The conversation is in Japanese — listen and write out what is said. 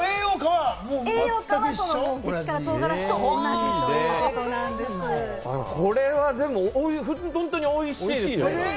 栄養価は激辛唐辛子と同じなこれは普通においしいですよ。